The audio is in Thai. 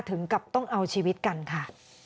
ถึงกับต้องเอาชีวิตกันค่ะ